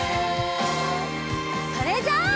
それじゃあ。